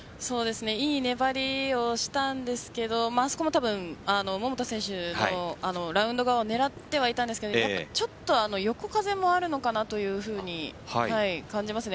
いい粘りをしたんですがあそこも桃田選手のラウンド側を狙ってはいたんですがちょっと横風もあるのかなと感じますね。